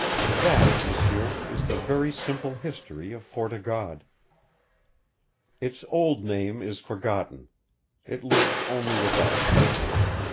That, M'sieur, is the very simple story of Fort o' God. Its old name is forgotten. It lives only with us.